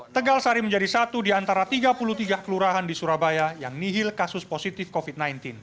tegal sari menjadi satu di antara tiga puluh tiga kelurahan di surabaya yang nihil kasus positif covid sembilan belas